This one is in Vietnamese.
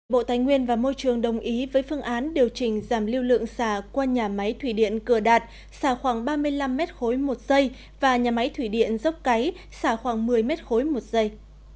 bộ tài nguyên và môi trường đồng ý với phương án điều chỉnh giảm lưu lượng xả qua nhà máy thủy điện cửa đạt xả khoảng ba mươi năm m ba một giây và nhà máy thủy điện dốc cái xả khoảng một mươi m ba một giây